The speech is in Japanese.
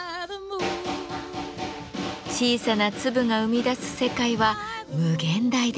小さな粒が生み出す世界は無限大です。